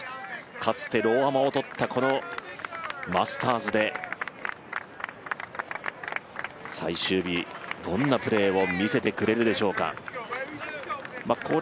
かつてローアマを取ったこのマスターズで最終日どんなプレーを見せてくれるでしょうか。